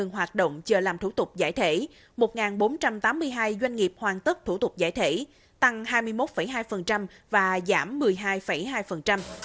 hoàn tất thủ tục giải thể tăng hai mươi một hai và giảm một mươi hai hai